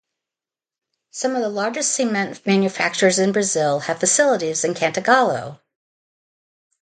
Some of the largest cement manufacturers in Brazil have facilities in Cantagalo.